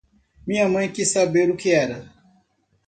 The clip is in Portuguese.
Minha mãe quis saber o que era.